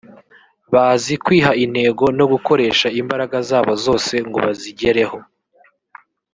bazi kwiha intego no gukoresha imbaraga zabo zose ngo bazigereho